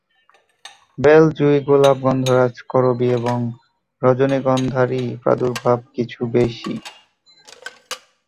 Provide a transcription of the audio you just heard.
Bell, জুঁই, গোলাপ, গন্ধরাজ, করবী এবং রজনীগন্ধারই প্রাদুর্ভাব কিছু বেশি।